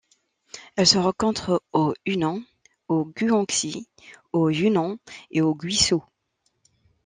Elle se rencontre au Hunan, au Guangxi, au Yunnan et au Guizhou.